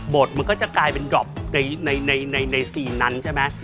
มันก็จะกลายเป็นดรอปในซีนนั้นใช่ไหม